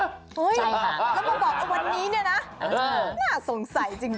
แล้วมาบอกวันนี้นะน่าสงสัยจริง